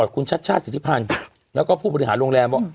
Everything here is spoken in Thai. คุณชัดชาติศิษภัณฑ์แล้วก็ผู้บริหารโรงแรม